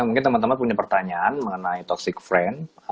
mungkin teman teman punya pertanyaan mengenai toxic friend